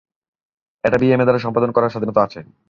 এটা বিএমএ দ্বারা সম্পাদনা করার স্বাধীনতা আছে।